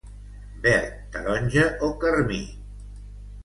Verd, taronja o carmí.